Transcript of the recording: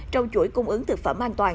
trong chuỗi cung ứng thực phẩm an toàn